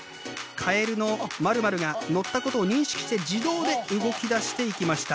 カエルのまるまるが乗ったことを認識して自動で動きだしていきました。